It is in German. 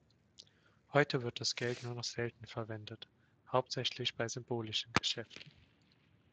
Heute wird das Geld nur noch selten verwendet, hauptsächlich bei symbolischen Geschäften.